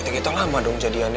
gitu gitu lama dong jadiannya